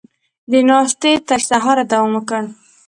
دې ناستې تر سهاره دوام وکړ.